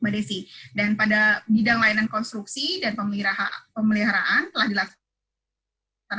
mbak desi dan pada bidang layanan konstruksi dan pemeliharaan telah dilakukan